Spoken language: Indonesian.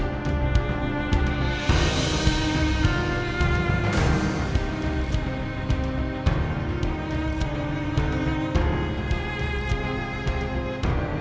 mau mengingatkan diriku sama mbak ani